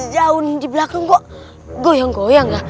daun di belakang kok goyang goyang ya